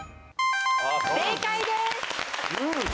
正解です！